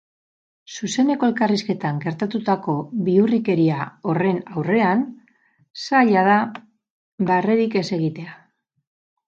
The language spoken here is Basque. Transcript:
Zuzeneko elkarrizketan gertatutako bihurrikeria horren aurrean zaila da barrerik ez egitea.